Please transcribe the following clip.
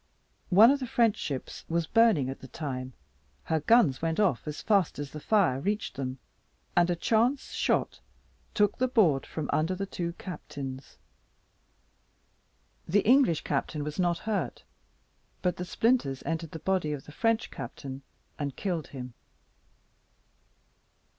One of the French ships was burning at the time; her guns went off as fast as the fire reached them; and a chance shot took the board from under the two captains: the English captain was not hurt; but the splinters entered the body of the French captain, and killed him.